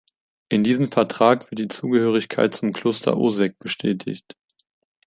In diesem Vertrag wird die Zugehörigkeit zum Kloster Ossegg bestätigt.